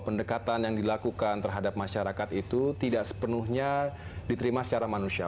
pendekatan yang dilakukan terhadap masyarakat itu tidak sepenuhnya diterima secara manusia